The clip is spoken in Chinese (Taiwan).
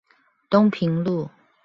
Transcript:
東平路